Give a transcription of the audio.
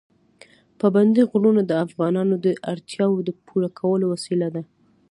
پابندی غرونه د افغانانو د اړتیاوو د پوره کولو وسیله ده.